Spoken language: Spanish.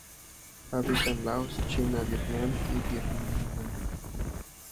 Habita en Laos, China, Vietnam y Birmania.